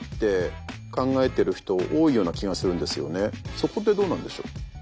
そこってどうなんでしょう？